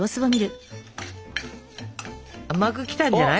膜きたんじゃない？